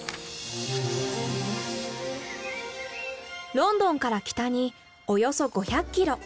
ロンドンから北におよそ５００キロ。